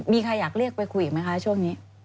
มีใครอยากเรียกไปคุยอีกไหมคะช่วงนี้